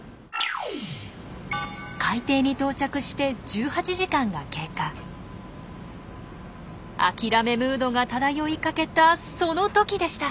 海底に到着して諦めムードが漂いかけたその時でした。